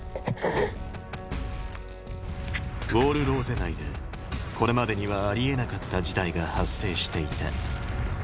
ウォール・ローゼ内でこれまでにはありえなかった事態が発生していた